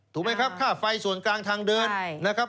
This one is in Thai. ถูกไหมครับค่าไฟส่วนกลางทางเดินนะครับ